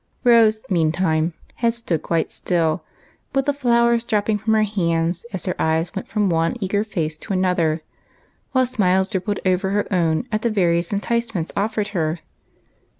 Rose meantime had stood quite still, with the flowers dropping from her hands as her eyes went from one eager fice to another, while smiles rippled over her own at the various enticements offered her.